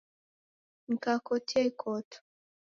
Nikakotia ikoto